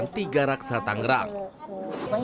bu berarti keberatan gak bang